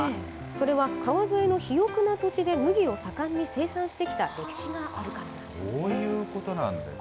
それは、川沿いの肥沃な土地で麦を盛んに生産してきた歴史があるからなんそういうことなんですね。